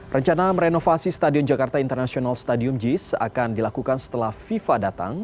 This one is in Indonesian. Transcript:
rencana merenovasi stadion jakarta international stadium jis akan dilakukan setelah fifa datang